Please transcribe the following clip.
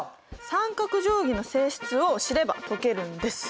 三角定規の性質を知れば解けるんです！